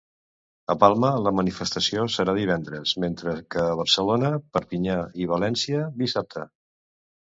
A Palma, la manifestació serà divendres, mentre que a Barcelona, Perpinyà i València, dissabte.